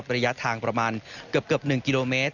ระยะทางประมาณเกือบ๑กิโลเมตร